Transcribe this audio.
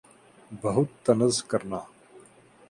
بَہُت طنز کرنا